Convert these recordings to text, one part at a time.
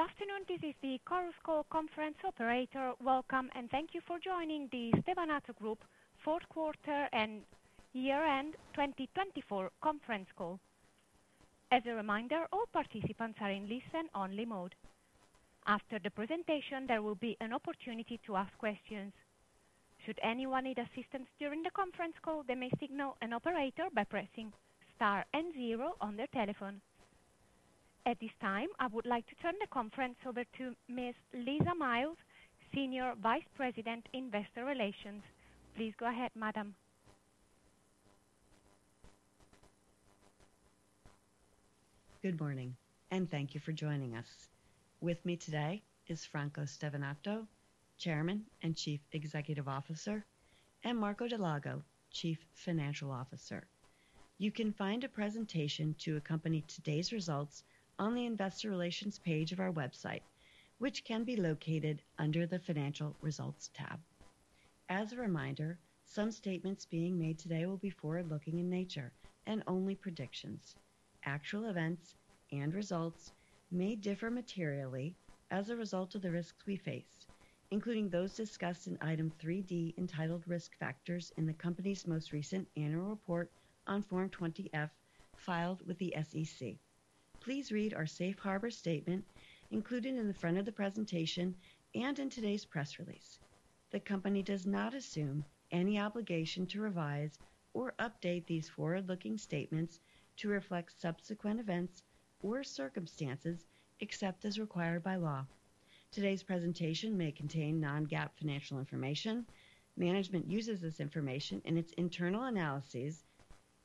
Good afternoon, this is the Chorus Call conference operator. Welcome, and thank you for joining the Stevanato Group Fourth Quarter and Year End 2024 Conference Call. As a reminder, all participants are in listen-only mode. After the presentation, there will be an opportunity to ask questions. Should anyone need assistance during the conference call, they may signal an operator by pressing star and zero on their telephone. At this time, I would like to turn the conference over to Ms. Lisa Miles, Senior Vice President, Investor Relations. Please go ahead, Madam. Good morning, and thank you for joining us. With me today is Franco Stevanato, Chairman and Chief Executive Officer, and Marco Dal Lago, Chief Financial Officer. You can find a presentation to accompany today's results on the Investor Relations page of our website, which can be located under the Financial Results tab. As a reminder, some statements being made today will be forward-looking in nature and only predictions. Actual events and results may differ materially as a result of the risks we face, including those discussed in Item 3.D, entitled Risk Factors, in the company's most recent annual report on Form 20-F filed with the SEC. Please read our safe harbor statement included in the front of the presentation and in today's press release. The company does not assume any obligation to revise or update these forward-looking statements to reflect subsequent events or circumstances except as required by law. Today's presentation may contain non-GAAP financial information. Management uses this information in its internal analyses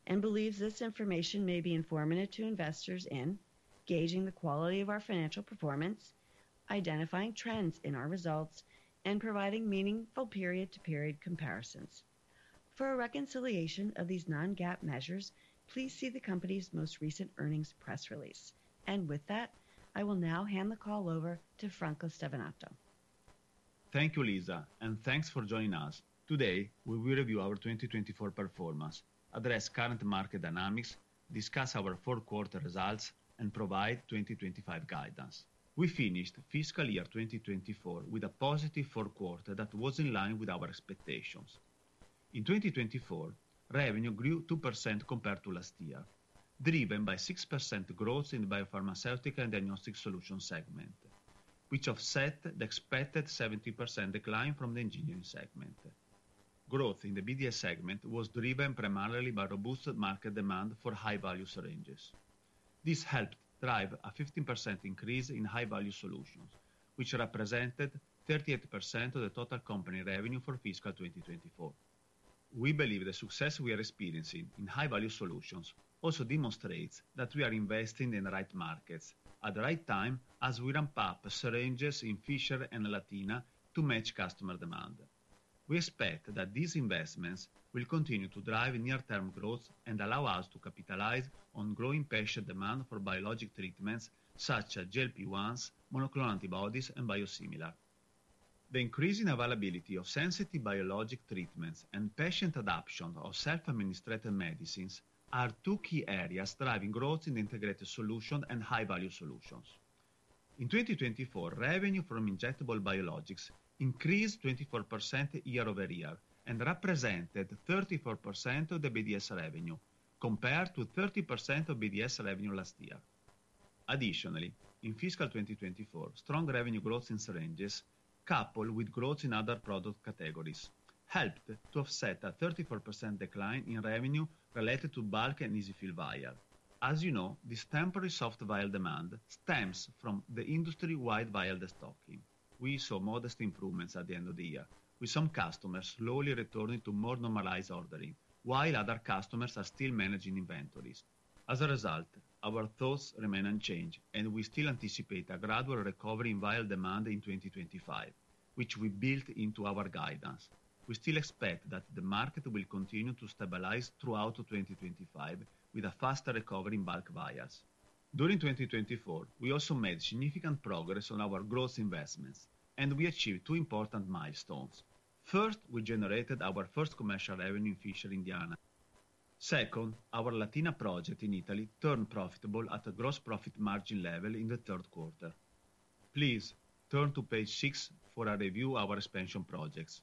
and believes this information may be informative to investors in gauging the quality of our financial performance, identifying trends in our results, and providing meaningful period-to-period comparisons. For a reconciliation of these non-GAAP measures, please see the company's most recent earnings press release. And with that, I will now hand the call over to Franco Stevanato. Thank you, Lisa, and thanks for joining us. Today, we will review our 2024 performance, address current market dynamics, discuss our fourth quarter results, and provide 2025 guidance. We finished fiscal year 2024 with a positive fourth quarter that was in line with our expectations. In 2024, revenue grew 2% compared to last year, driven by 6% growth in the Biopharmaceutical and Diagnostic Solutions segment, which offset the expected 70% decline from the Engineering segment. Growth in the BDS segment was driven primarily by robust market demand for high-value syringes. This helped drive a 15% increase in High-Value Solutions, which represented 38% of the total company revenue for fiscal 2024. We believe the success we are experiencing in High-Value Solutions also demonstrates that we are investing in the right markets at the right time, as we ramp up syringes in Fishers and Latina to match customer demand. We expect that these investments will continue to drive near-term growth and allow us to capitalize on growing patient demand for biologic treatments such as GLP-1s, monoclonal antibodies, and biosimilars. The increasing availability of sensitive biologic treatments and patient adoption of self-administered medicines are two key areas driving growth in integrated solutions and High-Value Solutions. In 2024, revenue from injectable biologics increased 24% year-over-year and represented 34% of the BDS revenue, compared to 30% of BDS revenue last year. Additionally, in fiscal 2024, strong revenue growth in syringes, coupled with growth in other product categories, helped to offset a 34% decline in revenue related to bulk and EZ-fill vials. As you know, this temporary soft vial demand stems from the industry-wide vial stocking. We saw modest improvements at the end of the year, with some customers slowly returning to more normalized ordering, while other customers are still managing inventories. As a result, our thoughts remain unchanged, and we still anticipate a gradual recovery in vial demand in 2025, which we built into our guidance. We still expect that the market will continue to stabilize throughout 2025, with a faster recovery in bulk vials. During 2024, we also made significant progress on our growth investments, and we achieved two important milestones. First, we generated our first commercial revenue in Fishers, Indiana. Second, our Latina project in Italy turned profitable at a gross profit margin level in the third quarter. Please turn to page six for a review of our expansion projects.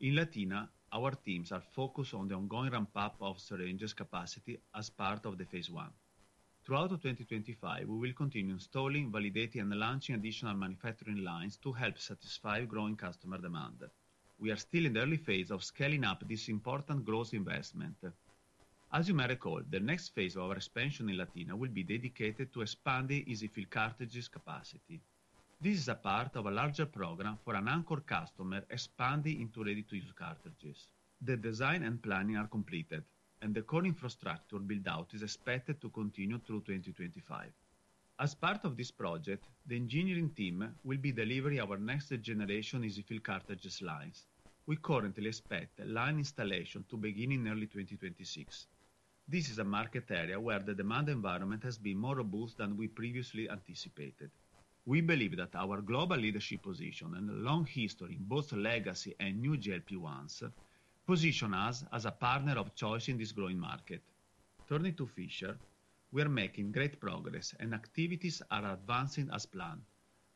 In Latina, our teams are focused on the ongoing ramp-up of syringes capacity as part of Phase I. Throughout 2025, we will continue installing, validating, and launching additional manufacturing lines to help satisfy growing customer demand. We are still in the early phase of scaling up this important growth investment. As you may recall, the next phase of our expansion in Latina will be dedicated to expanding EZ-fill cartridges capacity. This is a part of a larger program for an anchor customer expanding into ready-to-use cartridges. The design and planning are completed, and the core infrastructure built out is expected to continue through 2025. As part of this project, the Engineering team will be delivering our next-generation EZ-fill cartridge lines. We currently expect line installation to begin in early 2026. This is a market area where the demand environment has been more robust than we previously anticipated. We believe that our global leadership position and long history in both legacy and new GLP-1s position us as a partner of choice in this growing market. Turning to Fishers, we are making great progress, and activities are advancing as planned.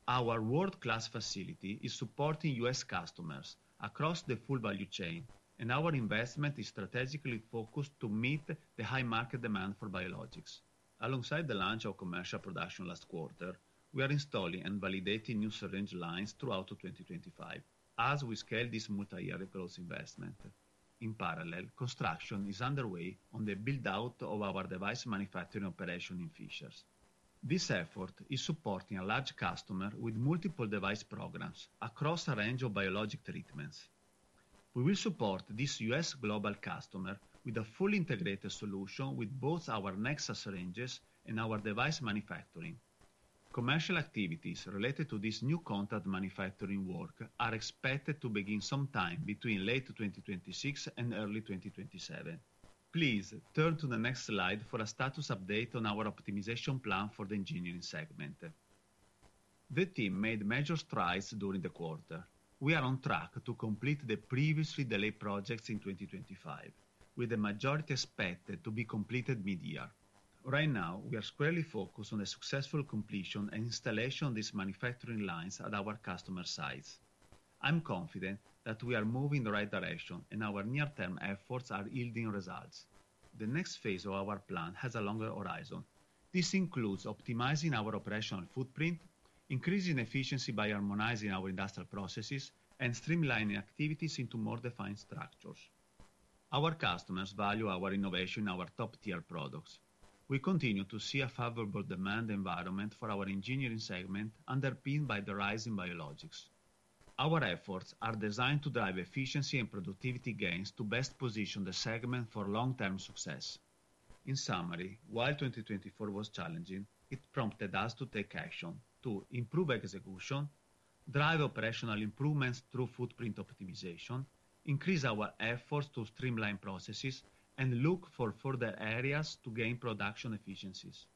Our world-class facility is supporting U.S. customers across the full value chain, and our investment is strategically focused to meet the high market demand for biologics. Alongside the launch of commercial production last quarter, we are installing and validating new syringe lines throughout 2025 as we scale this multi-year growth investment. In parallel, construction is underway on the build-out of our device manufacturing operation in Fishers. This effort is supporting a large customer with multiple device programs across a range of biologic treatments. We will support this U.S. global customer with a fully integrated solution with both our Nexa syringes and our device manufacturing. Commercial activities related to this new contract manufacturing work are expected to begin sometime between late 2026 and early 2027. Please turn to the next slide for a status update on our optimization plan for the Engineering segment. The team made major strides during the quarter. We are on track to complete the previously delayed projects in 2025, with the majority expected to be completed mid-year. Right now, we are squarely focused on the successful completion and installation of these manufacturing lines at our customer sites. I'm confident that we are moving in the right direction, and our near-term efforts are yielding results. The next phase of our plan has a longer horizon. This includes optimizing our operational footprint, increasing efficiency by harmonizing our industrial processes, and streamlining activities into more defined structures. Our customers value our innovation in our top-tier products. We continue to see a favorable demand environment for our Engineering segment, underpinned by the rise in biologics. Our efforts are designed to drive efficiency and productivity gains to best position the segment for long-term success. In summary, while 2024 was challenging, it prompted us to take action to improve execution, drive operational improvements through footprint optimization, increase our efforts to streamline processes, and look for further areas to gain production efficiencies.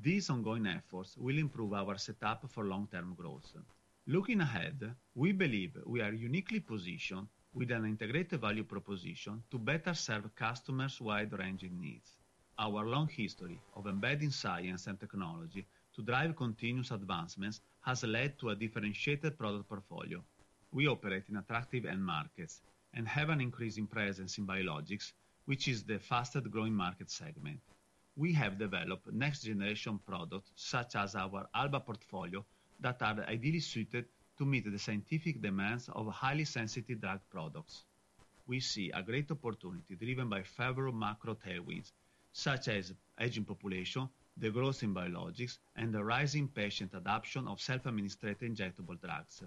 These ongoing efforts will improve our setup for long-term growth. Looking ahead, we believe we are uniquely positioned with an integrated value proposition to better serve customers' wide-ranging needs. Our long history of embedding science and technology to drive continuous advancements has led to a differentiated product portfolio. We operate in attractive end markets and have an increasing presence in biologics, which is the fastest-growing market segment. We have developed next-generation products such as our Alba portfolio that are ideally suited to meet the scientific demands of highly sensitive drug products. We see a great opportunity driven by several macro tailwinds such as aging population, the growth in biologics, and the rising patient adoption of self-administered injectable drugs.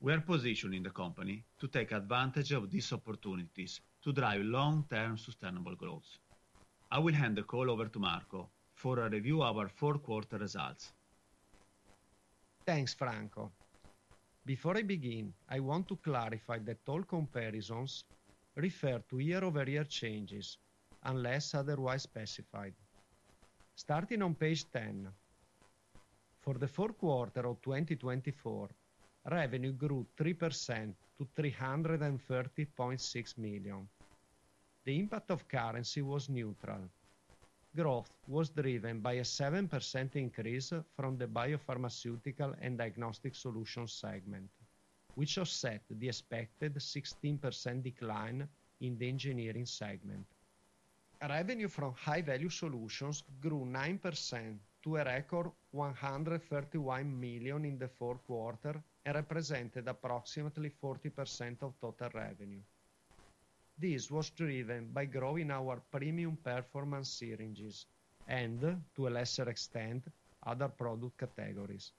We are positioning the company to take advantage of these opportunities to drive long-term sustainable growth. I will hand the call over to Marco for a review of our fourth quarter results. Thanks, Franco. Before I begin, I want to clarify that all comparisons refer to year-over-year changes, unless otherwise specified. Starting on page 10, for the fourth quarter of 2024, revenue grew 3% to 330.6 million. The impact of currency was neutral. Growth was driven by a 7% increase from the Biopharmaceutical and Diagnostic Solutions segment, which offset the expected 16% decline in the Engineering segment. Revenue from High-Value Solutions grew 9% to a record 131 million in the fourth quarter and represented approximately 40% of total revenue. This was driven by growing our premium performance syringes and, to a lesser extent, other product categories.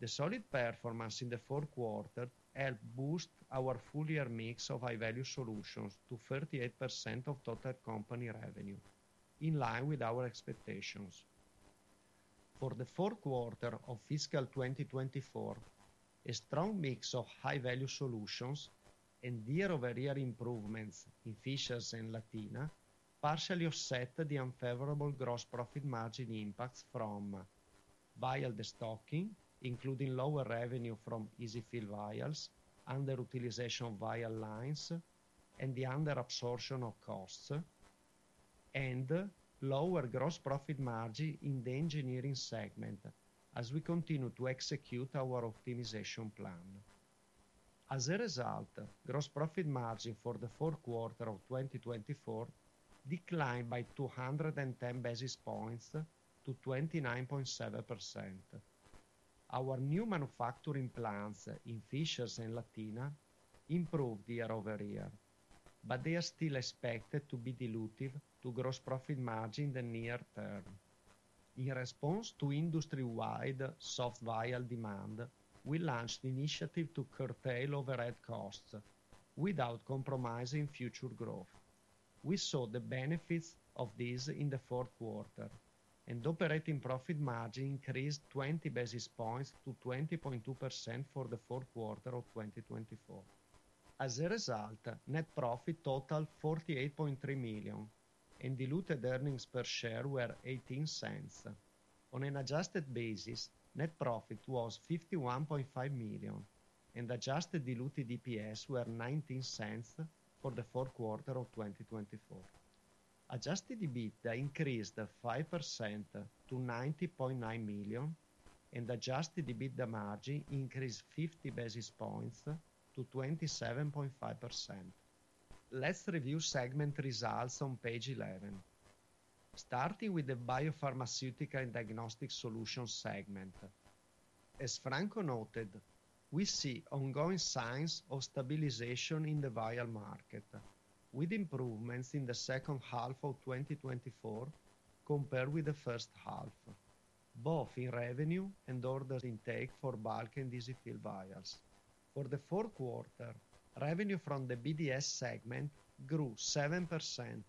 The solid performance in the fourth quarter helped boost our full-year mix of High-Value Solutions to 38% of total company revenue, in line with our expectations. For the fourth quarter of fiscal 2024, a strong mix of High-Value Solutions and year-over-year improvements in Fishers and Latina partially offset the unfavorable gross profit margin impacts from vial stocking, including lower revenue from EZ-fill vials, under-utilization of vial lines, and the under-absorption of costs, and lower gross profit margin in the Engineering segment as we continue to execute our optimization plan. As a result, gross profit margin for the fourth quarter of 2024 declined by 210 basis points to 29.7%. Our new manufacturing plants in Fishers and Latina improved year-over-year, but they are still expected to be dilutive to gross profit margin in the near term. In response to industry-wide soft vial demand, we launched the initiative to curtail overhead costs without compromising future growth. We saw the benefits of this in the fourth quarter, and operating profit margin increased 20 basis points to 20.2% for the fourth quarter of 2024. As a result, net profit totaled 48.3 million, and diluted earnings per share were 0.18. On an adjusted basis, net profit was 51.5 million, and Adjusted Diluted EPS were 0.19 for the fourth quarter of 2024. Adjusted EBITDA increased 5% to 90.9 million, and Adjusted EBITDA margin increased 50 basis points to 27.5%. Let's review segment results on page 11, starting with the Biopharmaceutical and Diagnostic Solutions Segment. As Franco noted, we see ongoing signs of stabilization in the vial market, with improvements in the second half of 2024 compared with the first half, both in revenue and order intake for bulk and EZ-fill vials. For the fourth quarter, revenue from the BDS segment grew 7%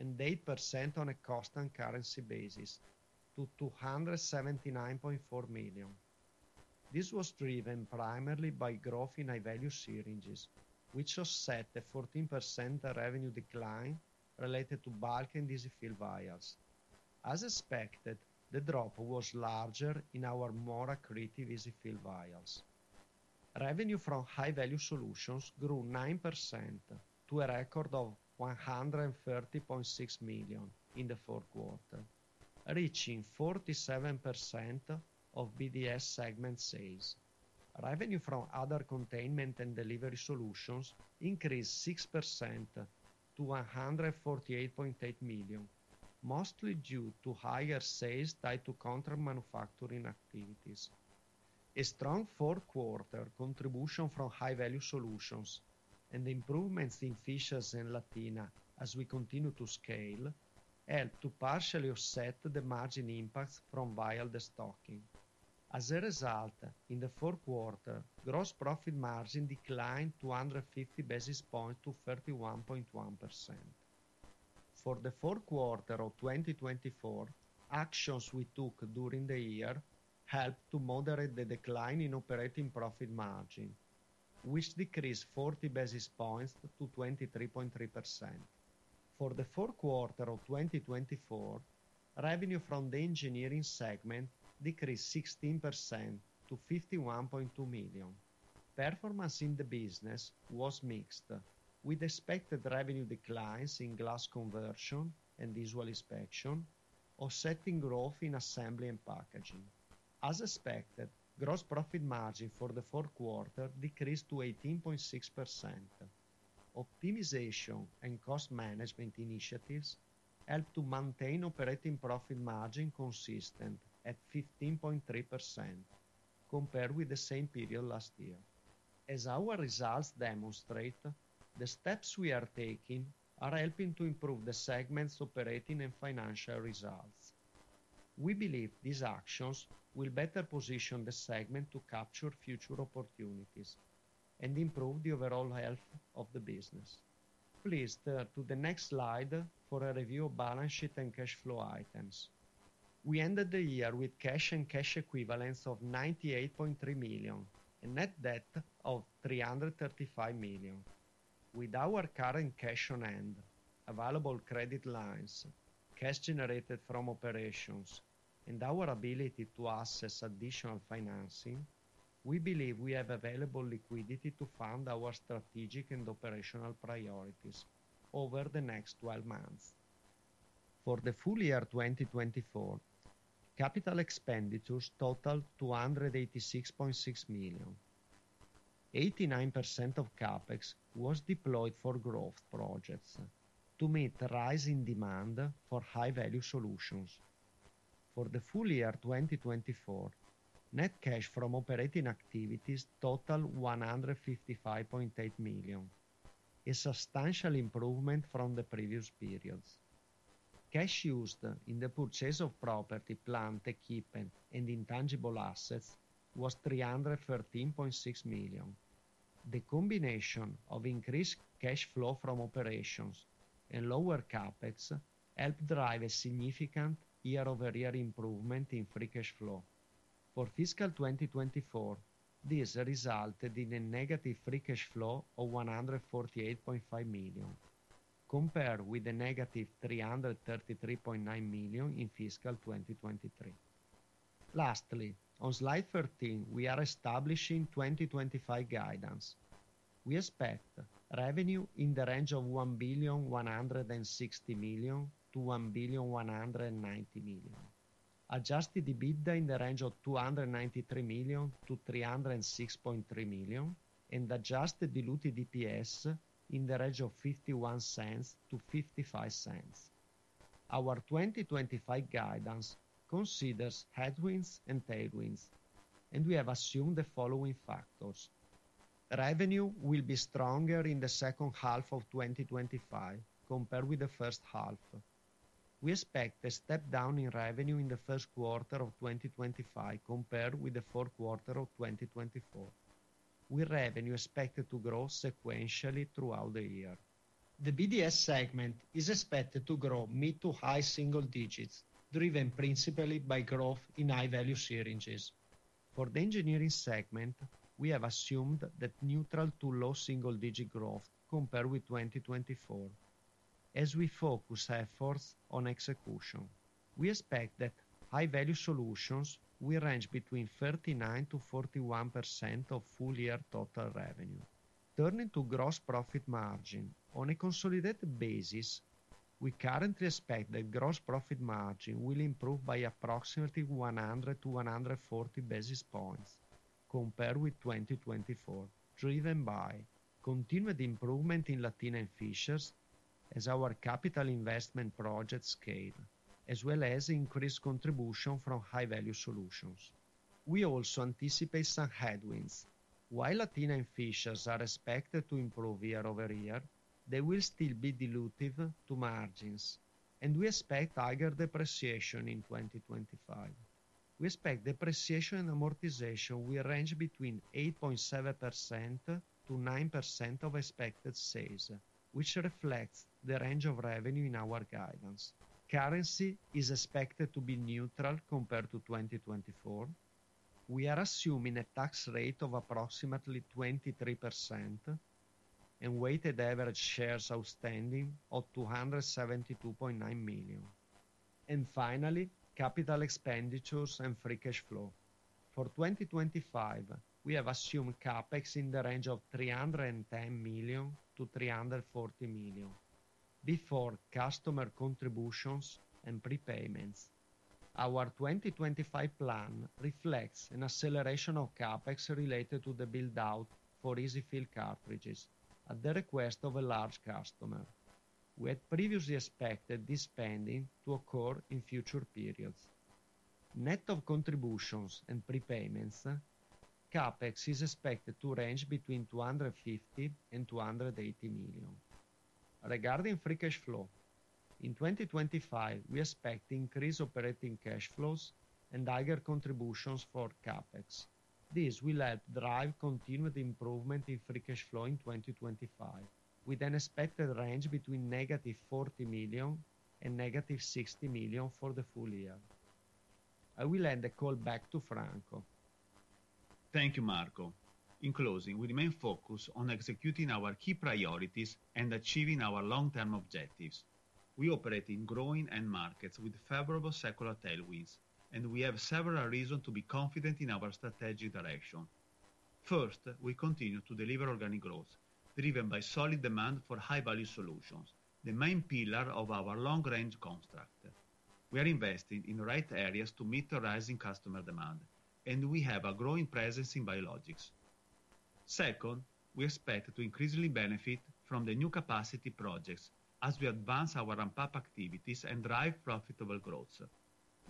and 8% on a constant and currency basis to 279.4 million. This was driven primarily by growth in high-value syringes, which offset the 14% revenue decline related to bulk and EZ-fill vials. As expected, the drop was larger in our more accretive EZ-fill vials. Revenue from High-Value Solutions grew 9% to a record of 130.6 million in the fourth quarter, reaching 47% of BDS segment sales. Revenue from Other Containment and Delivery Solutions increased 6% to 148.8 million, mostly due to higher sales tied to contract manufacturing activities. A strong fourth quarter contribution from High-Value Solutions and improvements in Fishers and Latina as we continue to scale helped to partially offset the margin impacts from vial stocking. As a result, in the fourth quarter, gross profit margin declined 250 basis points to 31.1%. For the fourth quarter of 2024, actions we took during the year helped to moderate the decline in operating profit margin, which decreased 40 basis points to 23.3%. For the fourth quarter of 2024, revenue from the Engineering segment decreased 16% to 51.2 million. Performance in the business was mixed, with expected revenue declines in Glass Conversion and Visual Inspection, offsetting growth in Assembly and Packaging. As expected, gross profit margin for the fourth quarter decreased to 18.6%. Optimization and cost management initiatives helped to maintain operating profit margin consistent at 15.3% compared with the same period last year. As our results demonstrate, the steps we are taking are helping to improve the segment's operating and financial results. We believe these actions will better position the segment to capture future opportunities and improve the overall health of the business. Please turn to the next slide for a review of balance sheet and cash flow items. We ended the year with cash and cash equivalents of 98.3 million and net debt of 335 million. With our current cash on hand, available credit lines, cash generated from operations, and our ability to assess additional financing, we believe we have available liquidity to fund our strategic and operational priorities over the next 12 months. For the full year 2024, capital expenditures totaled 286.6 million. 89% of CapEx was deployed for growth projects to meet rising demand for High-Value Solutions. For the full year 2024, net cash from operating activities totaled 155.8 million, a substantial improvement from the previous periods. Cash used in the purchase of property, plant, equipment, and intangible assets was 313.6 million. The combination of increased cash flow from operations and lower CapEx helped drive a significant year-over-year improvement in free cash flow. For fiscal 2024, this resulted in a negative free cash flow of 148.5 million, compared with a negative 333.9 million in fiscal 2023. Lastly, on slide 13, we are establishing 2025 guidance. We expect revenue in the range of 1.160 billion-1.190 billion. Adjusted EBITDA in the range of 293 million-306.3 million and Adjusted Diluted EPS in the range of 0.51-0.55. Our 2025 guidance considers headwinds and tailwinds, and we have assumed the following factors. Revenue will be stronger in the second half of 2025 compared with the first half. We expect a step down in revenue in the first quarter of 2025 compared with the fourth quarter of 2024, with revenue expected to grow sequentially throughout the year. The BDS segment is expected to grow mid to high single digits, driven principally by growth in high-value syringes. For the Engineering segment, we have assumed that neutral to low single-digit growth compared with 2024, as we focus efforts on execution. We expect that High-Value Solutions will range between 39%-41% of full-year total revenue. Turning to gross profit margin, on a consolidated basis, we currently expect that gross profit margin will improve by approximately 100-140 basis points compared with 2024, driven by continued improvement in Latina and Fishers as our capital investment projects scale, as well as increased contribution from High-Value Solutions. We also anticipate some headwinds. While Latina and Fishers are expected to improve year-over-year, they will still be dilutive to margins, and we expect higher depreciation in 2025. We expect depreciation and amortization will range between 8.7% and 9% of expected sales, which reflects the range of revenue in our guidance. Currency is expected to be neutral compared to 2024. We are assuming a tax rate of approximately 23% and weighted average shares outstanding of 272.9 million, and finally, capital expenditures and free cash flow. For 2025, we have assumed CapEx in the range of 310 million-340 million before customer contributions and prepayments. Our 2025 plan reflects an acceleration of CapEx related to the build-out for EZ-fill cartridges at the request of a large customer. We had previously expected this spending to occur in future periods. Net of contributions and prepayments, CapEx is expected to range between 250 million and 280 million. Regarding free cash flow, in 2025, we expect increased operating cash flows and higher contributions for CapEx. This will help drive continued improvement in free cash flow in 2025, with an expected range between negative 40 million and negative 60 million for the full year. I will end the call back to Franco. Thank you, Marco. In closing, we remain focused on executing our key priorities and achieving our long-term objectives. We operate in growing end markets with favorable secular tailwinds, and we have several reasons to be confident in our strategic direction. First, we continue to deliver organic growth, driven by solid demand for High-Value Solutions, the main pillar of our long-range construct. We are investing in the right areas to meet the rising customer demand, and we have a growing presence in biologics. Second, we expect to increasingly benefit from the new capacity projects as we advance our ramp-up activities and drive profitable growth.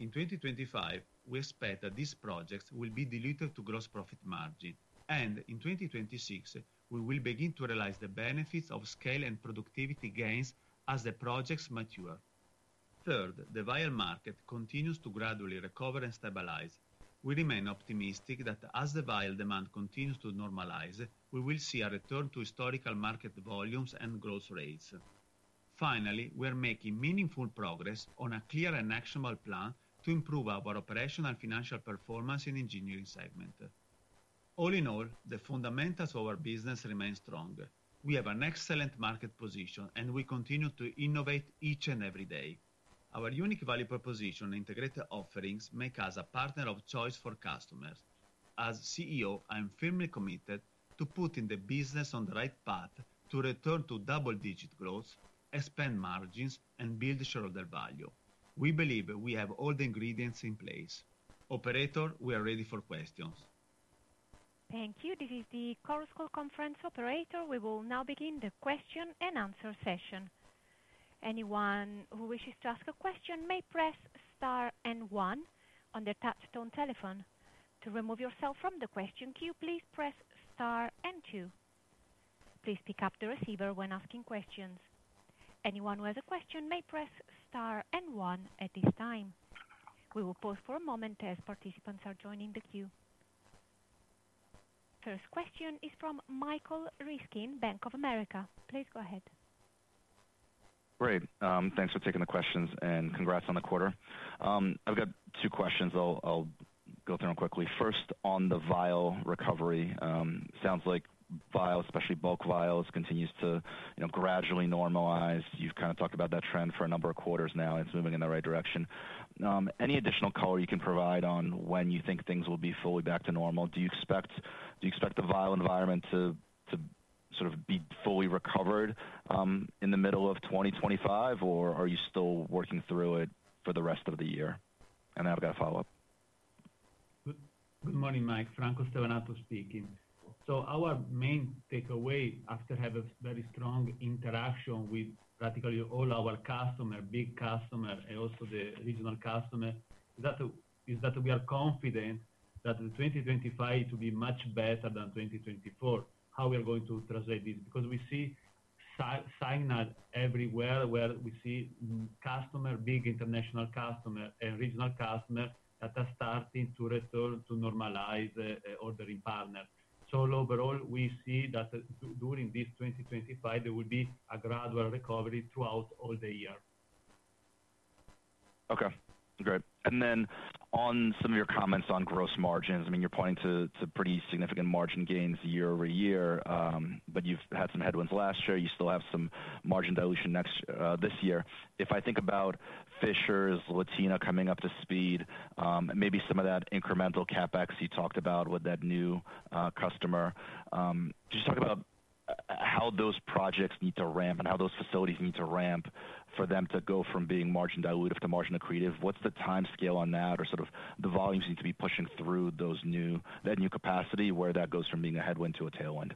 In 2025, we expect that these projects will be dilutive to gross profit margin, and in 2026, we will begin to realize the benefits of scale and productivity gains as the projects mature. Third, the vial market continues to gradually recover and stabilize. We remain optimistic that as the vial demand continues to normalize, we will see a return to historical market volumes and growth rates. Finally, we are making meaningful progress on a clear and actionable plan to improve our operational and financial performance in the Engineering segment. All in all, the fundamentals of our business remain strong. We have an excellent market position, and we continue to innovate each and every day. Our unique value proposition and integrated offerings make us a partner of choice for customers. As CEO, I am firmly committed to putting the business on the right path to return to double-digit growth, expand margins, and build shareholder value. We believe we have all the ingredients in place. Operator, we are ready for questions. Thank you. This is the Chorus Call conference operator. We will now begin the question and answer session. Anyone who wishes to ask a question may press star and one on their touch-tone telephone. To remove yourself from the question queue, please press star and two. Please pick up the receiver when asking questions. Anyone who has a question may press star and one at this time. We will pause for a moment as participants are joining the queue. First question is from Michael Ryskin, Bank of America. Please go ahead. Great. Thanks for taking the questions, and congrats on the quarter. I've got two questions I'll go through them quickly. First, on the vial recovery, it sounds like vials, especially bulk vials, continue to gradually normalized. You've kind of talked about that trend for a number of quarters now. It's moving in the right direction. Any additional color you can provide on when you think things will be fully back to normal? Do you expect the vial environment to sort of be fully recovered in the middle of 2025, or are you still working through it for the rest of the year? And I've got a follow-up. Good morning, Mike. Franco Stevanato speaking. So our main takeaway after having a very strong interaction with practically all our customers, big customers, and also the regional customers, is that we are confident that 2025 to be much better than 2024. How are we going to translate this? Because we see signals everywhere where we see customers, big international customers, and regional customers that are starting to return to normalized ordering patterns. So overall, we see that during this 2025, there will be a gradual recovery throughout all the year. Okay. Great. And then on some of your comments on gross margins, I mean, you're pointing to pretty significant margin gains year-over-year, but you've had some headwinds last year. You still have some margin dilution this year. If I think about Fishers, Latina coming up to speed, maybe some of that incremental CapEx you talked about with that new customer, could you talk about how those projects need to ramp and how those facilities need to ramp for them to go from being margin dilutive to margin accretive? What's the timescale on that, or sort of the volumes you need to be pushing through that new capacity, where that goes from being a headwind to a tailwind?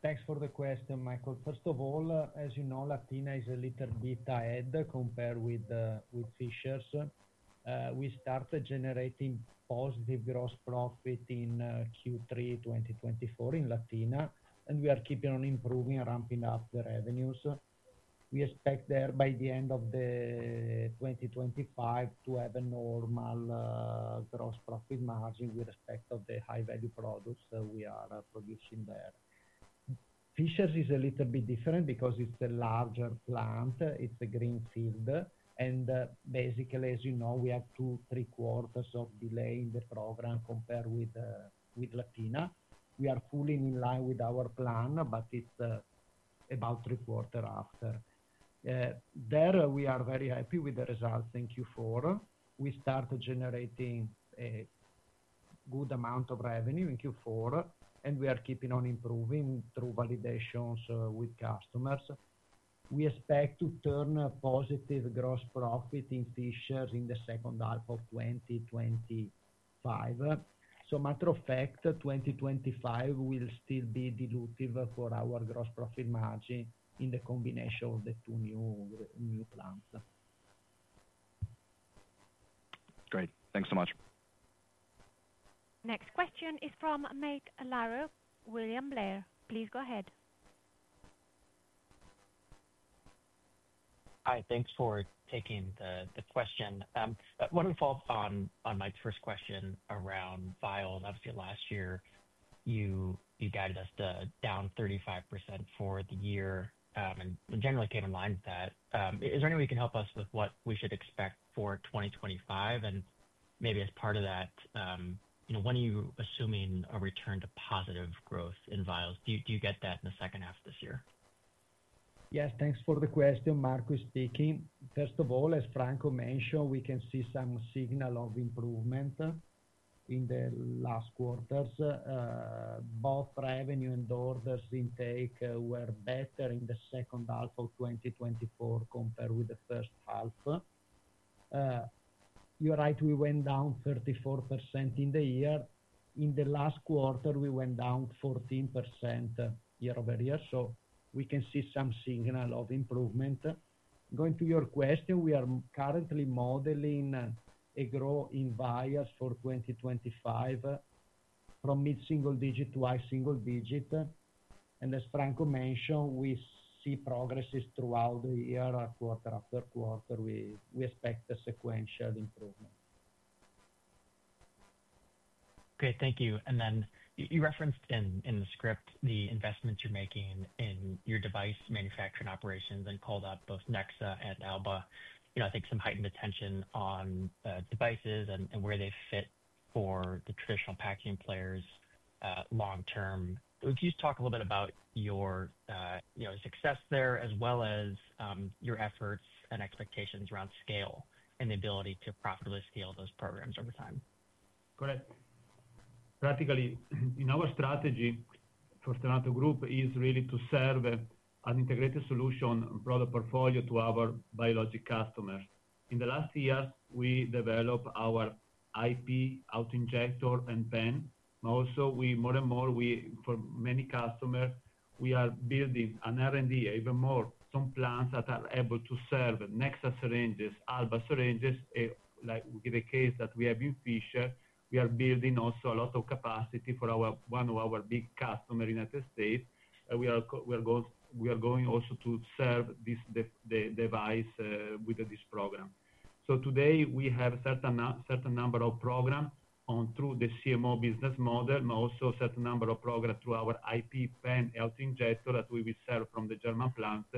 Thanks for the question, Michael. First of all, as you know, Latina is a little bit ahead compared with Fishers. We started generating positive gross profit in Q3 2024 in Latina, and we are keeping on improving and ramping up the revenues. We expect there by the end of 2025 to have a normal gross profit margin with respect to the high-value products we are producing there. Fishers is a little bit different because it's a larger plant. It's a greenfield. And basically, as you know, we have two, three quarters of delay in the program compared with Latina. We are fully in line with our plan, but it's about three quarters after. There, we are very happy with the results in Q4. We started generating a good amount of revenue in Q4, and we are keeping on improving through validations with customers. We expect to turn a positive gross profit in Fishers in the second half of 2025. As a matter of fact, 2025 will still be dilutive for our gross profit margin in the combination of the two new plants. Great. Thanks so much. Next question is from Matt Larew, William Blair. Please go ahead. Hi. Thanks for taking the question. Want to follow up on Mike's first question around vials. Obviously, last year, you guided us down 35% for the year and generally came in line with that. Is there any way you can help us with what we should expect for 2025? And maybe as part of that, when are you assuming a return to positive growth in vials? Do you get that in the second half of this year? Yes. Thanks for the question. Marco is speaking. First of all, as Franco mentioned, we can see some signal of improvement in the last quarters. Both revenue and orders intake were better in the second half of 2024 compared with the first half. You're right. We went down 34% in the year. In the last quarter, we went down 14% year-over-year. So we can see some signal of improvement. Going to your question, we are currently modeling a growth in vials for 2025 from mid-single digit to high single digit. And as Franco mentioned, we see progresses throughout the year, quarter-after-quarter. We expect a sequential improvement. Okay. Thank you. And then you referenced in the script the investments you're making in your device manufacturing operations and called out both Nexa and Alba. I think some heightened attention on devices and where they fit for the traditional packaging players long-term. Could you talk a little bit about your success there as well as your efforts and expectations around scale and the ability to profitably scale those programs over time? Correct. Practically, in our strategy for Stevanato Group, it is really to serve an integrated solution product portfolio to our biologic customers. In the last year, we developed our IP auto-injector and pen. Also, more and more, for many customers, we are building an R&D, even more, some plants that are able to serve Nexa syringes, Alba syringes. Like in the case that we have in Fishers, we are building also a lot of capacity for one of our big customers in the United States. We are going also to serve this device with this program. So today, we have a certain number of programs through the CMO business model, but also a certain number of programs through our IP pen auto-injector that we will serve from the German plants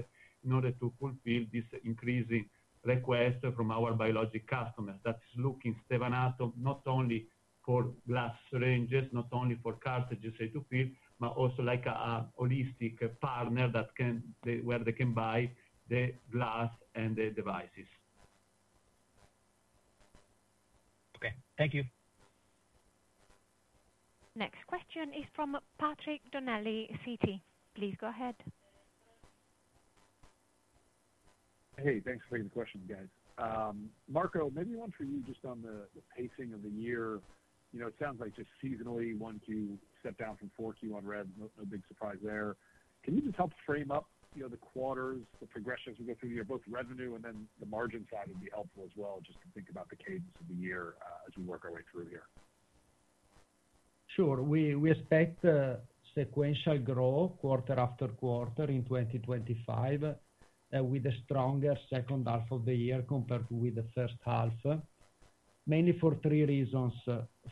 in order to fulfill this increasing request from our biologics customers that is looking Stevanato not only for glass syringes, not only for cartridges to fill, but also like a holistic partner where they can buy the glass and the devices. Okay. Thank you. Next question is from Patrick Donnelly, Citi. Please go ahead. Hey, thanks for the question, guys. Marco, maybe one for you just on the pacing of the year. It sounds like just seasonally, Q1 stepped down from Q4 on rev. No big surprise there. Can you just help frame up the quarters, the progressions we go through here, both revenue and then the margin side would be helpful as well, just to think about the cadence of the year as we work our way through here? Sure. We expect sequential growth quarter-after-quarter in 2025 with a stronger second half of the year compared with the first half, mainly for three reasons.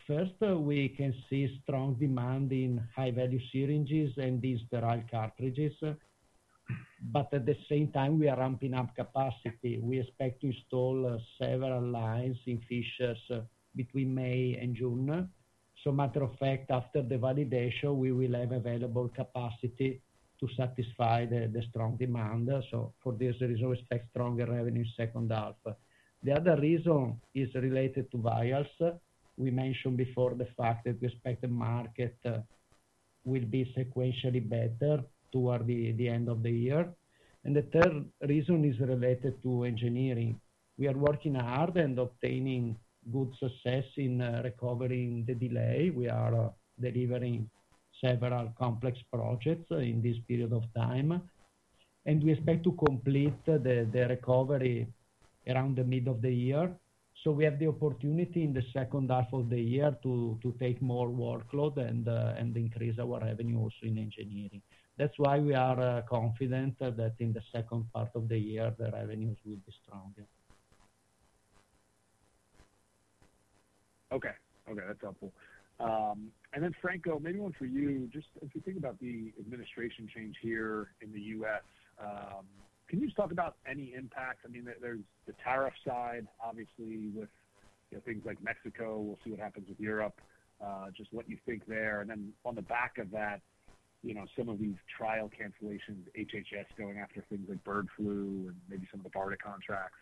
First, we can see strong demand in high-value syringes and these sterile cartridges. But at the same time, we are ramping up capacity. We expect to install several lines in Fishers between May and June. So matter of fact, after the validation, we will have available capacity to satisfy the strong demand. So for this reason, we expect stronger revenue in second half. The other reason is related to vials. We mentioned before the fact that we expect the market will be sequentially better toward the end of the year. And the third reason is related to Engineering. We are working hard and obtaining good success in recovering the delay. We are delivering several complex projects in this period of time. And we expect to complete the recovery around the middle of the year. So we have the opportunity in the second half of the year to take more workload and increase our revenue also in Engineering. That's why we are confident that in the second part of the year, the revenues will be stronger. Okay. Okay. That's helpful. And then, Franco, maybe one for you. Just as we think about the administration change here in the U.S., can you just talk about any impact? I mean, there's the tariff side, obviously, with things like Mexico. We'll see what happens with Europe. Just what you think there. And then, on the back of that, some of these trial cancellations, HHS going after things like bird flu and maybe some of the BARDA contracts.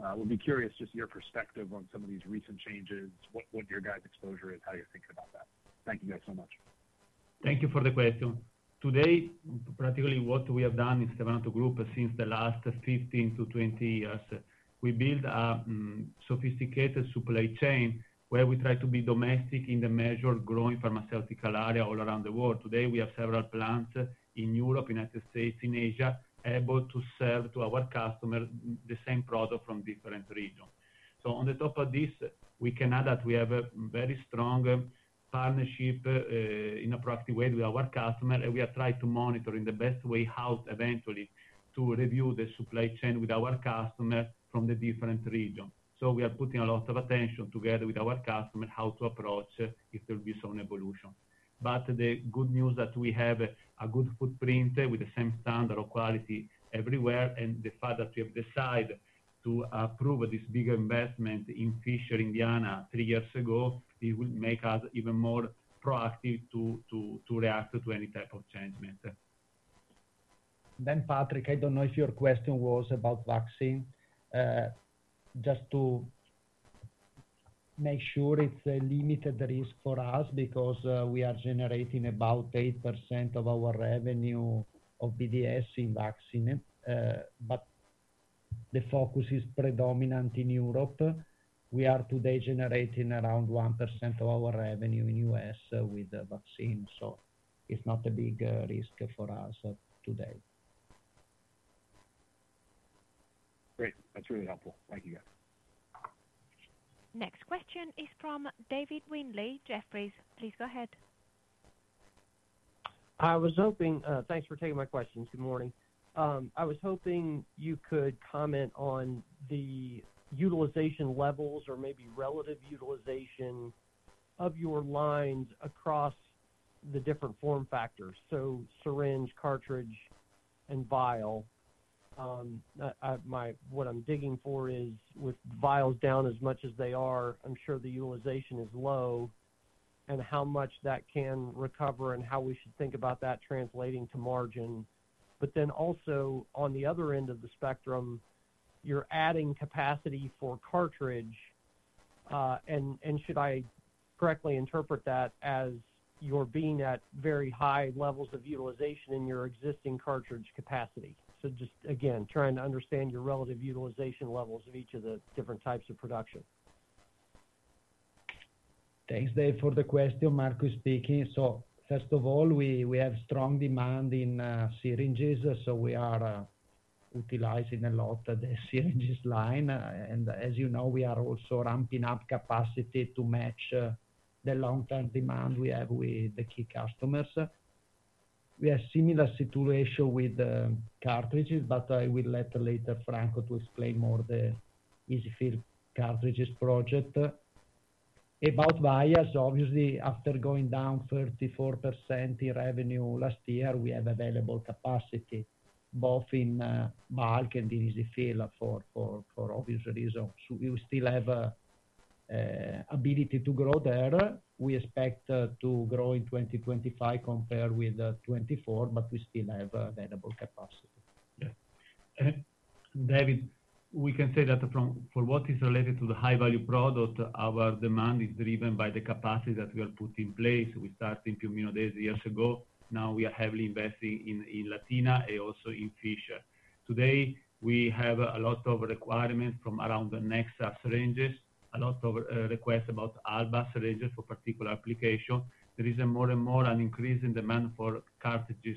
We'll be curious just your perspective on some of these recent changes, what your guys' exposure is, how you're thinking about that. Thank you guys so much. Thank you for the question. Today, practically, what we have done in Stevanato Group since the last 15 to 20 years, we built a sophisticated supply chain where we try to be domestic in the measured growing pharmaceutical area all around the world. Today, we have several plants in Europe, United States, and Asia able to serve to our customers the same product from different regions. On top of this, we can add that we have a very strong partnership in a proactive way with our customer, and we have tried to monitor in the best way how eventually to review the supply chain with our customer from the different regions. We are putting a lot of attention together with our customer how to approach if there will be some evolution. But the good news is that we have a good footprint with the same standard of quality everywhere. The fact that we have decided to approve this bigger investment in Fishers, Indiana, three years ago will make us even more proactive to react to any type of change. Then, Patrick, I don't know if your question was about vaccine? Just to make sure it's a limited risk for us because we are generating about 8% of our revenue of BDS in vaccine. But the focus is predominant in Europe. We are today generating around 1% of our revenue in the U.S. with vaccines. So it's not a big risk for us today. Great. That's really helpful. Thank you, guys. Next question is from David Windley, Jefferies. Please go ahead. Thanks for taking my questions. Good morning. I was hoping you could comment on the utilization levels or maybe relative utilization of your lines across the different form factors. So syringe, cartridge, and vial. What I'm digging for is with vials down as much as they are, I'm sure the utilization is low and how much that can recover and how we should think about that translating to margin. But then also on the other end of the spectrum, you're adding capacity for cartridges. And should I correctly interpret that as you're being at very high levels of utilization in your existing cartridge capacity? So just again, trying to understand your relative utilization levels of each of the different types of production. So first of all, we have strong demand in syringes. So we are utilizing a lot of the syringes line. And as you know, we are also ramping up capacity to match the long-term demand we have with the key customers. We have a similar situation with cartridges, but I will let later Franco to explain more the EZ-fill cartridges project. About vials, obviously, after going down 34% in revenue last year, we have available capacity both in bulk and in EZ-fill for obvious reasons. We still have ability to grow there. We expect to grow in 2025 compared with 2024, but we still have available capacity. David, we can say that for what is related to the high-value product, our demand is driven by the capacity that we are putting in place. We started Piombino Dese years ago. Now we are heavily investing in Latina and also in Fishers. Today, we have a lot of requirements from around the Nexa syringes, a lot of requests about Alba syringes for particular application. There is more and more an increase in demand for cartridges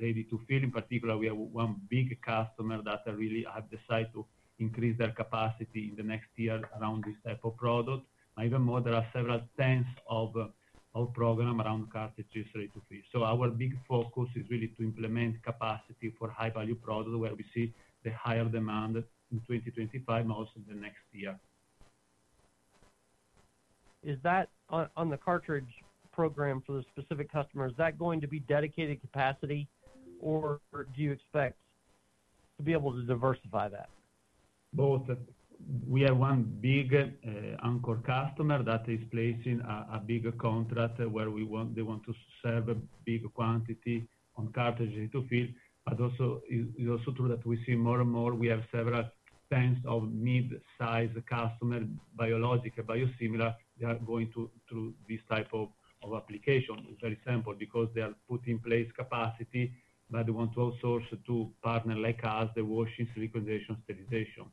ready to fill. In particular, we have one big customer that really has decided to increase their capacity in the next year around this type of product. Even more, there are several tens of programs around cartridges ready to fill. So our big focus is really to implement capacity for high-value products where we see the higher demand in 2025, mostly the next year. On the cartridge program for the specific customers, is that going to be dedicated capacity, or do you expect to be able to diversify that? Both. We have one big anchor customer that is placing a big contract where they want to serve a big quantity on cartridges to fill. But it's also true that we see more and more, we have several tens of mid-sized customers, biologic and biosimilar, that are going through this type of application. It's very simple because they are putting in place capacity, but they want to outsource to partners like us, the washing, siliconization, sterilization.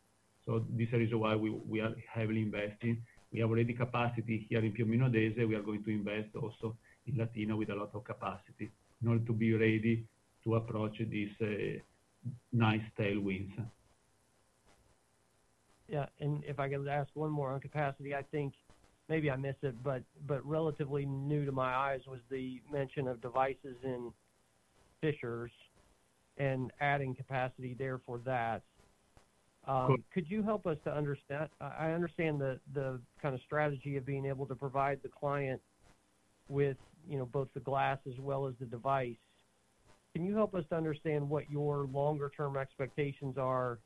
So this is the reason why we are heavily investing. We have already capacity here in Piombino Dese. We are going to invest also in Latina with a lot of capacity in order to be ready to approach these nice tailwinds. Yeah. And if I could ask one more on capacity, I think maybe I missed it, but relatively new to my eyes was the mention of devices in Fishers and adding capacity there for that. Could you help us to understand? I understand the kind of strategy of being able to provide the client with both the glass as well as the device. Can you help us to understand what your longer-term expectations are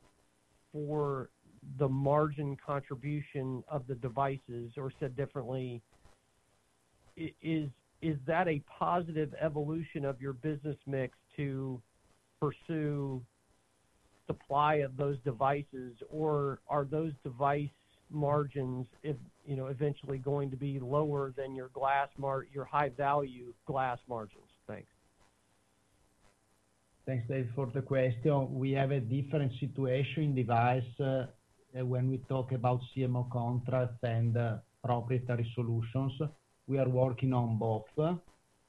for the margin contribution of the devices? Or said differently, is that a positive evolution of your business mix to pursue supply of those devices, or are those device margins eventually going to be lower than your high-value glass margins? Thanks. Thanks, Dave, for the question. We have a different situation in device when we talk about CMO contracts and proprietary solutions. We are working on both,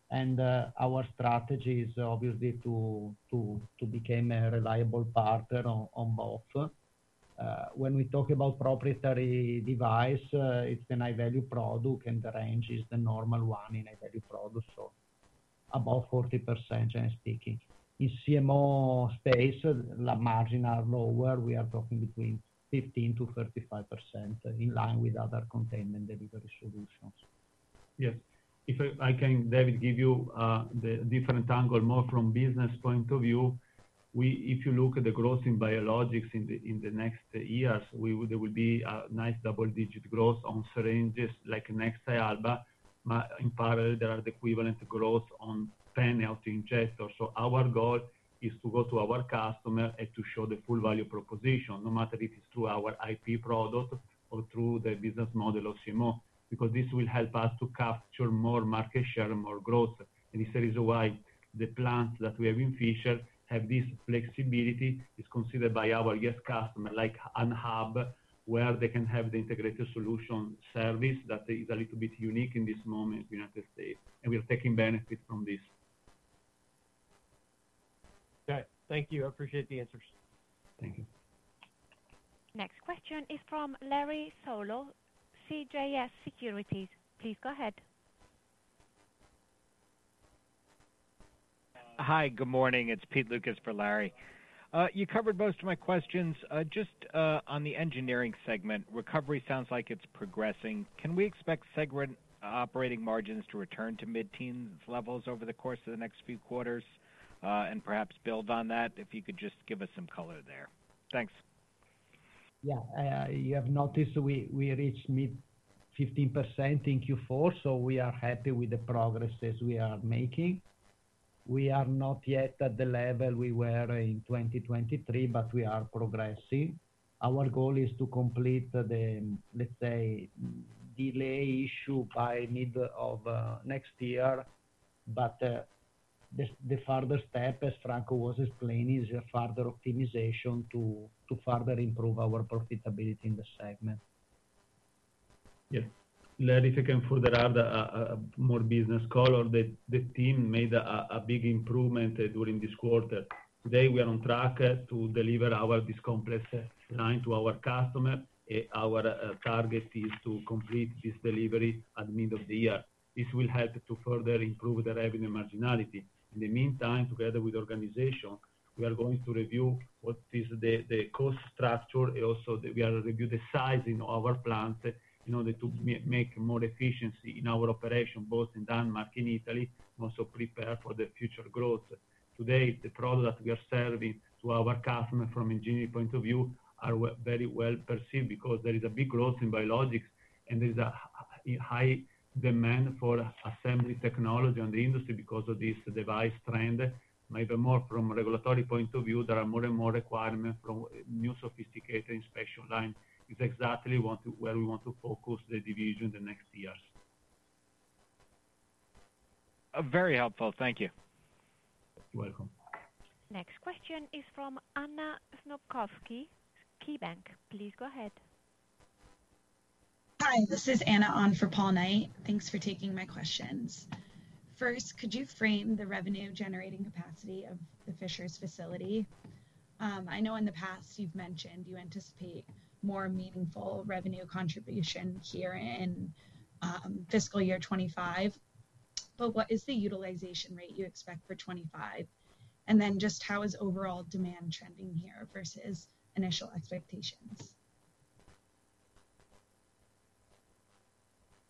and our strategy is obviously to become a reliable partner on both. When we talk about proprietary device, it's a high-value product, and the range is the normal one in high-value products, so above 40%, generally speaking. In CMO space, the margins are lower. We are talking between 15%-35% in line with other containment delivery solutions. Yes. If I can, David, give you a different angle more from a business point of view, if you look at the growth in biologics in the next years, there will be a nice double-digit growth on syringes like Nexa, Alba. But in parallel, there are the equivalent growth on pen auto-injectors. So our goal is to go to our customer and to show the full value proposition, no matter if it's through our IP product or through the business model of CMO, because this will help us to capture more market share and more growth. And this is the reason why the plants that we have in Fishers have this flexibility is considered by our U.S. customers like a hub, where they can have the integrated solution service that is a little bit unique in this moment in the United States. And we are taking benefit from this. Okay. Thank you. I appreciate the answers. Thank you. Next question is from Larry Solow, CJS Securities. Please go ahead. Hi. Good morning. It's Pete Lukas for Larry. You covered most of my questions. Just on the Engineering segment, recovery sounds like it's progressing. Can we expect segment operating margins to return to mid-teens levels over the course of the next few quarters and perhaps build on that if you could just give us some color there? Thanks. Yeah. You have noticed we reached mid-15% in Q4, so we are happy with the progress we are making. We are not yet at the level we were in 2023, but we are progressing. Our goal is to complete the, let's say, delay issue by mid of next year. But the further step, as Franco was explaining, is further optimization to further improve our profitability in the segment. Yes. Larry, if I can further add more business color, the team made a big improvement during this quarter. Today, we are on track to deliver this complex line to our customer. Our target is to complete this delivery at the end of the year. This will help to further improve the revenue marginality. In the meantime, together with the organization, we are going to review what is the cost structure. Also, we are reviewing the size of our plants in order to make more efficiency in our operation, both in Denmark and Italy, and also prepare for the future growth. Today, the product that we are serving to our customers from an Engineering point of view is very well perceived because there is a big growth in biologics, and there is a high demand for assembly technology in the industry because of this device trend. Maybe more from a regulatory point of view, there are more and more requirements for new sophisticated inspection lines. It's exactly where we want to focus the division in the next years. Very helpful. Thank you. You're welcome. Next question is from Anna Snopkowski, KeyBanc Capital Markets. Please go ahead. Hi. This is Anna on for Paul Knight. Thanks for taking my questions. First, could you frame the revenue-generating capacity of the Fishers facility? I know in the past you've mentioned you anticipate more meaningful revenue contribution here in fiscal year 2025, but what is the utilization rate you expect for 2025? And then just how is overall demand trending here versus initial expectations?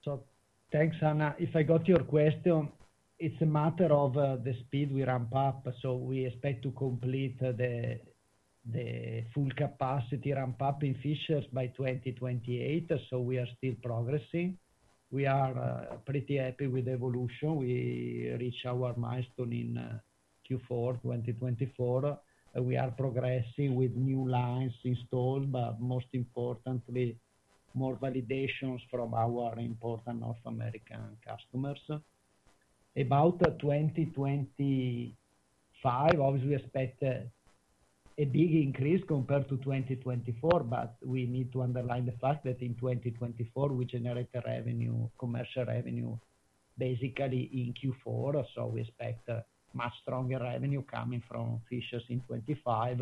So thanks, Anna. If I got your question, it's a matter of the speed we ramp up. So we expect to complete the full capacity ramp-up in Fishers by 2028. So we are still progressing. We are pretty happy with the evolution. We reached our milestone in Q4 2024. We are progressing with new lines installed, but most importantly, more validations from our important North American customers. About 2025, obviously, we expect a big increase compared to 2024, but we need to underline the fact that in 2024, we generate commercial revenue basically in Q4. So we expect much stronger revenue coming from Fishers in 2025,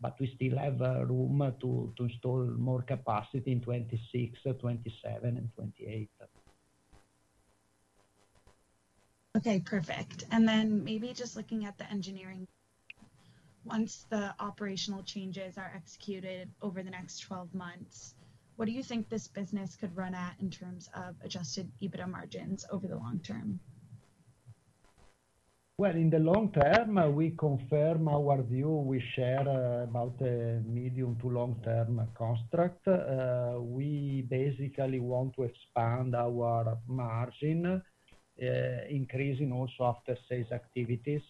but we still have room to install more capacity in 2026, 2027, and 2028. Okay. Perfect. And then maybe just looking at the Engineering, once the operational changes are executed over the next 12 months, what do you think this business could run at in terms of Adjusted EBITDA margins over the long term? In the long term, we confirm our view. We share about a medium to long-term construct. We basically want to expand our margin, increasing also after-sales activities.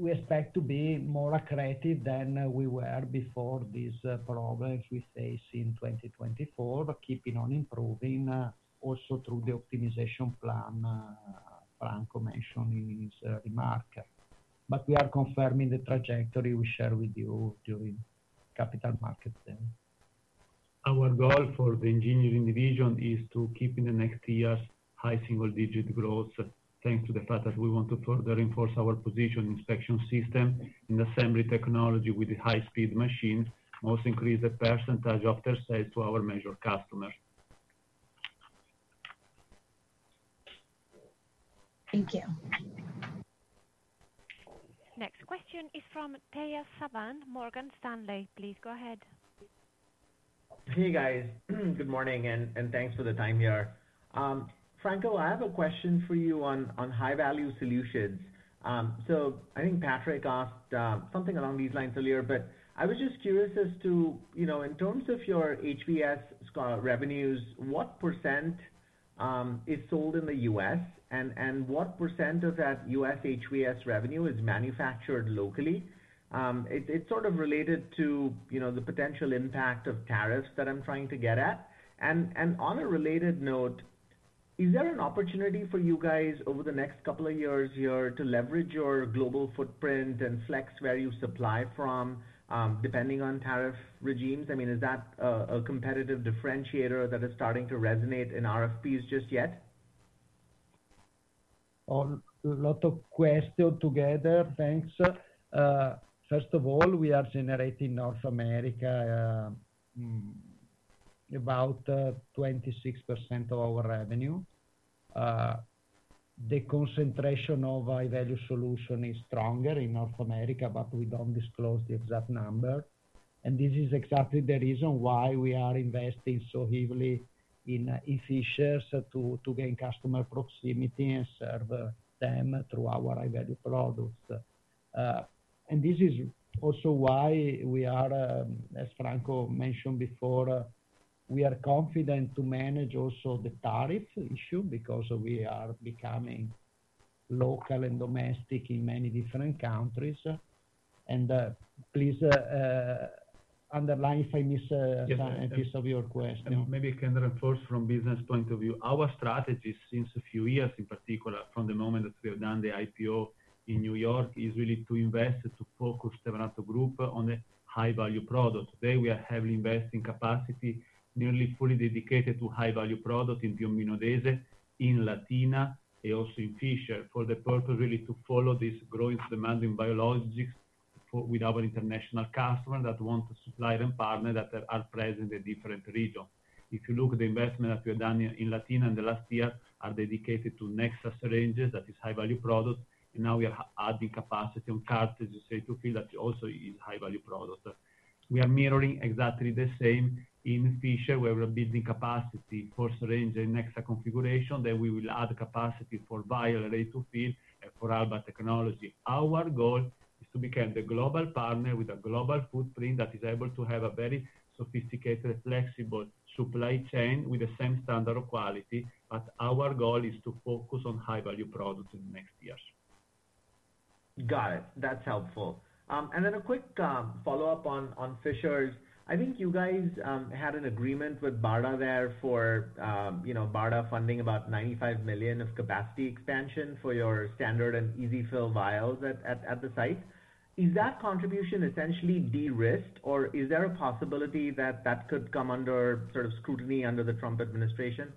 We expect to be more accurate than we were before these problems we faced in 2024, keeping on improving also through the optimization plan Franco mentioned in his remark. But we are confirming the trajectory we shared with you during Capital Markets Day. Our goal for the Engineering division is to keep in the next years high single-digit growth thanks to the fact that we want to further reinforce our position in inspection systems in assembly technology with high-speed machines, most increased the percentage of their sales to our major customers. Thank you. Next question is from Tejas Savant, Morgan Stanley. Please go ahead. Hey, guys. Good morning and thanks for the time here. Franco, I have a question for you on High-Value Solutions. So I think Patrick asked something along these lines earlier, but I was just curious as to, in terms of your HVS revenues, what % is sold in the U.S., and what % of that U.S. HVS revenue is manufactured locally? It's sort of related to the potential impact of tariffs that I'm trying to get at. And on a related note, is there an opportunity for you guys over the next couple of years here to leverage your global footprint and flex where you supply from depending on tariff regimes? I mean, is that a competitive differentiator that is starting to resonate in RFPs just yet? A lot of questions together. Thanks. First of all, we are generating North America about 26% of our revenue. The concentration of High-Value Solutions is stronger in North America, but we don't disclose the exact number. And this is exactly the reason why we are investing so heavily in Fishers to gain customer proximity and serve them through our high-value products. This is also why we are, as Franco mentioned before, confident to manage the tariff issue because we are becoming local and domestic in many different countries. Please underline if I missed a piece of your question. Maybe I can reinforce from a business point of view. Our strategy since a few years, in particular, from the moment that we have done the IPO in New York, is really to invest to focus the Stevanato Group on the high-value product. Today, we are heavily investing capacity, nearly fully dedicated to high-value products in Piombino Dese, in Latina, and also in Fishers for the purpose really to follow this growing demand in biologics with our international customers that want to supply them partner that are present in different regions. If you look at the investment that we have done in Latina in the last year are dedicated to Nexa syringes, that is high-value products. And now we are adding capacity on cartridge and syringe-to-fill that also is high-value product. We are mirroring exactly the same in Fishers where we are building capacity for syringe and Nexa configuration. Then we will add capacity for vial ready-to-fill for Alba technology. Our goal is to become the global partner with a global footprint that is able to have a very sophisticated, flexible supply chain with the same standard of quality. But our goal is to focus on high-value products in the next years. Got it. That's helpful. And then a quick follow-up on Fishers. I think you guys had an agreement with BARDA there for BARDA funding about $95 million of capacity expansion for your standard and EZ-fill vials at the site. Is that contribution essentially de-risked, or is there a possibility that that could come under sort of scrutiny under the Trump administration?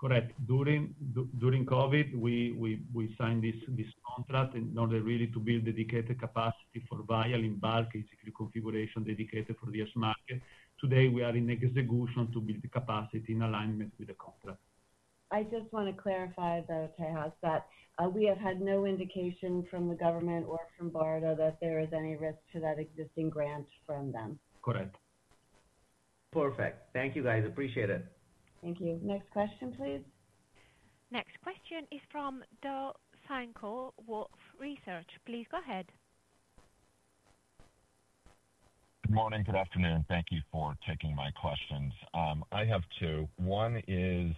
Correct. During COVID, we signed this contract in order really to build dedicated capacity for vial in bulk configuration dedicated for this market. Today, we are in execution to build the capacity in alignment with the contract. I just want to clarify though, Tejas, that we have had no indication from the government or from BARDA that there is any risk to that existing grant from them. Correct. Perfect. Thank you, guys. Appreciate it. Thank you. Next question, please. Next question is from Doug Schenkel, Wolfe Research. Please go ahead. Good morning. Good afternoon. Thank you for taking my questions. I have two. One is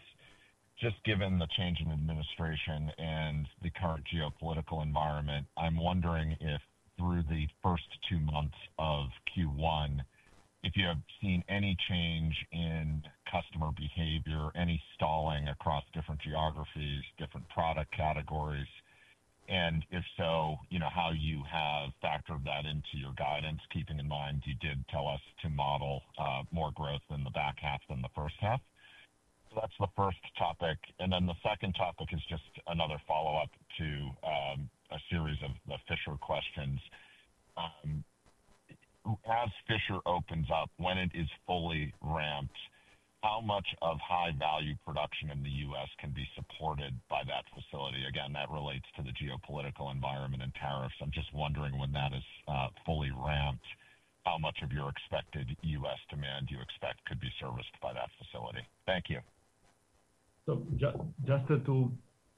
just given the change in administration and the current geopolitical environment, I'm wondering if through the first two months of Q1, if you have seen any change in customer behavior, any stalling across different geographies, different product categories, and if so, how you have factored that into your guidance, keeping in mind you did tell us to model more growth in the back half than the first half. So that's the first topic. And then the second topic is just another follow-up to a series of the Fishers questions. As Fishers opens up, when it is fully ramped, how much of high-value production in the U.S. can be supported by that facility? Again, that relates to the geopolitical environment and tariffs. I'm just wondering when that is fully ramped, how much of your expected U.S. demand you expect could be serviced by that facility. Thank you. So just to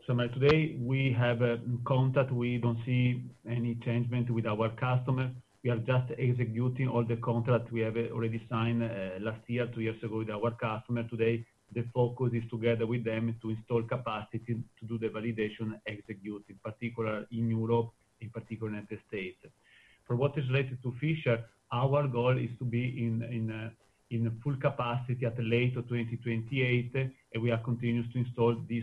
summarize, today we have a contract. We don't see any change with our customers. We are just executing all the contracts we have already signed last year, two years ago with our customers. Today, the focus is together with them to install capacity to do the validation execution, particularly in Europe, in particular in the States. For what is related to Fishers, our goal is to be in full capacity by the end of 2028, and we are continuing to install this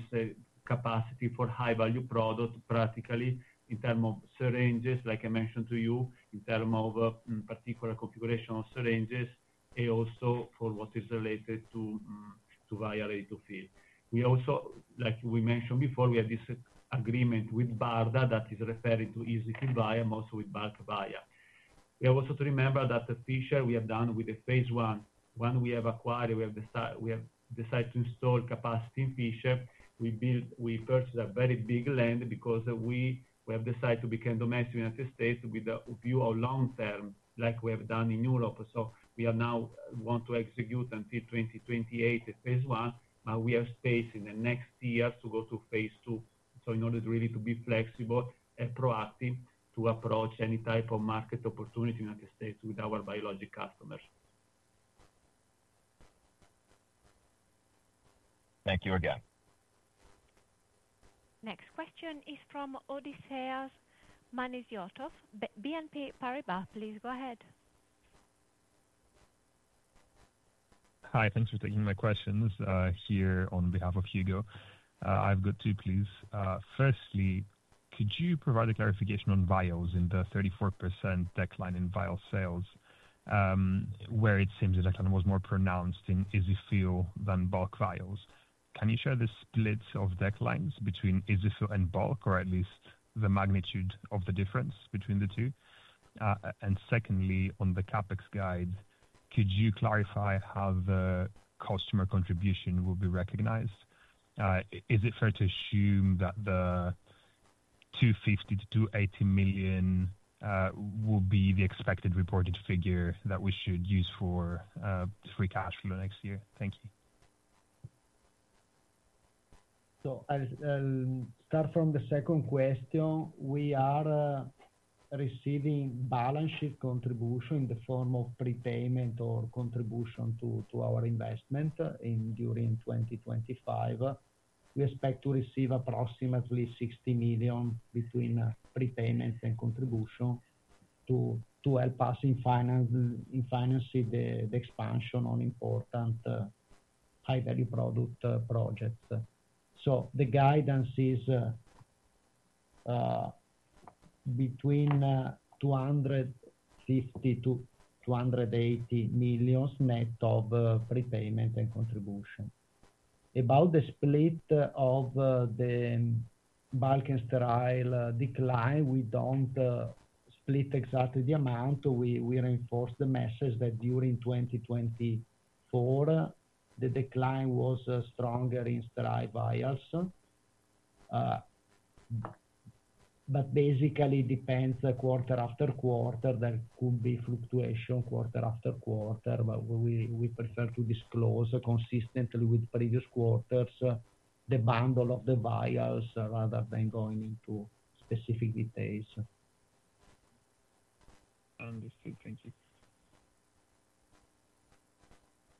capacity for high-value products practically in terms of syringes, like I mentioned to you, in terms of particular configuration of syringes, and also for what is related to vial ready-to-fill. We also, like we mentioned before, we have this agreement with BARDA that is referring to EZ-fill vial, mostly with bulk vial. We also have to remember that Fishers we have done with the phase I. When we have acquired, we have decided to install capacity in Fishers. We purchased a very big land because we have decided to become domestic in the United States with a view of long term, like we have done in Europe. So we now want to execute until 2028 the phase I, but we have space in the next year to go to Phase II. So in order really to be flexible and proactive to approach any type of market opportunity in the United States with our biologic customers. Thank you again. Next question is from Odysseas Manesiotis, BNP Paribas, please go ahead. Hi. Thanks for taking my questions here on behalf of Hugo. I've got two, please. Firstly, could you provide a clarification on vials in the 34% decline in vial sales, where it seems that that one was more pronounced in EZ-fill than bulk vials? Can you share the splits of declines between EZ-fill and bulk, or at least the magnitude of the difference between the two? And secondly, on the CapEx guide, could you clarify how the customer contribution will be recognized? Is it fair to assume that the 250 million-280 million will be the expected reported figure that we should use for free cash flow next year? Thank you. So I'll start from the second question. We are receiving balance sheet contribution in the form of prepayment or contribution to our investment during 2025. We expect to receive approximately 60 million between prepayment and contribution to help us in financing the expansion on important high-value product projects. So the guidance is between 250 million-280 million net of prepayment and contribution. About the split of the bulk and sterile decline, we don't split exactly the amount. We reinforce the message that during 2024, the decline was stronger in sterile vials. But basically, it depends quarter-after-quarter. There could be fluctuation quarter-after-quarter, but we prefer to disclose consistently with previous quarters the bundle of the vials rather than going into specific details. Understood. Thank you.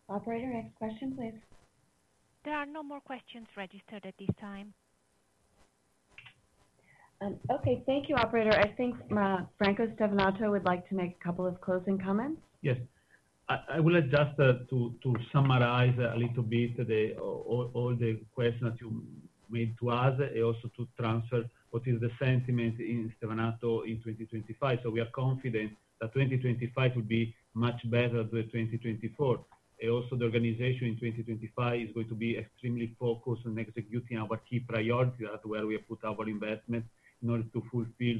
Operator, next question, please. There are no more questions registered at this time. Okay. Thank you, Operator. I think Franco Stevanato would like to make a couple of closing comments. Yes. I will adjust to summarize a little bit all the questions that you made to us and also to transfer what is the sentiment in Stevanato in 2025. So we are confident that 2025 will be much better than 2024. And also the organization in 2025 is going to be extremely focused on executing our key priorities where we have put our investment in order to fulfill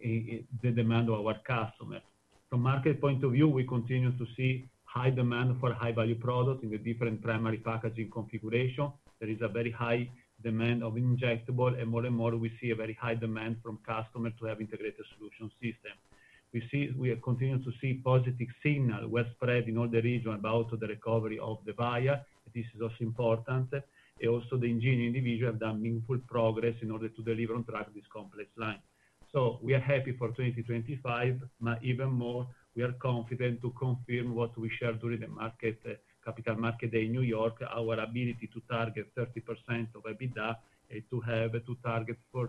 the demand of our customers. From market point of view, we continue to see high demand for high-value products in the different primary packaging configuration. There is a very high demand of injectable, and more and more we see a very high demand from customers to have integrated solution system. We continue to see positive signals well spread in all the region about the recovery of the vial. This is also important. And also the Engineering division have done meaningful progress in order to deliver on track this complex line. So we are happy for 2025, but even more, we are confident to confirm what we shared during the Capital Markets Day in New York, our ability to target 30% of EBITDA and to have to target 40%-45%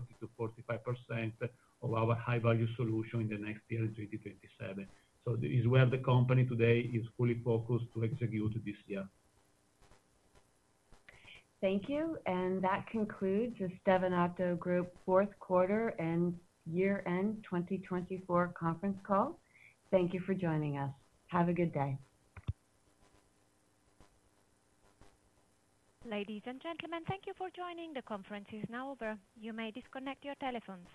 of our high-value solution in the next year in 2027. So it's where the company today is fully focused to execute this year. Thank you. And that concludes the Stevanato Group Fourth Quarter and Year End 2024 Conference Call. Thank you for joining us. Have a good day. Ladies and gentlemen, thank you for joining. The conference is now over. You may disconnect your telephones.